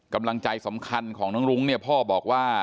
กำลังใจสำคัญของน้องรุ้งเนี่ยพ่อบอกว่า